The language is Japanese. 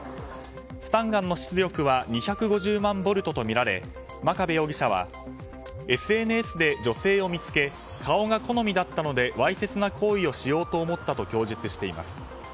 スタンガンの出力は２５０万ボルトとみられ真壁容疑者はＳＮＳで女性を見つけ顔が好みだったのでわいせつな行為をしようと思ったと供述しています。